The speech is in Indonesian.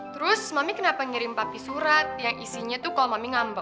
terus mami kenapa ngirim papi surat yang isinya tuh kalau mami ngambek